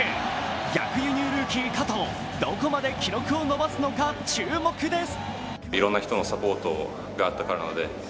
逆輸入ルーキー・加藤、どこまで記録を伸ばすのか注目です！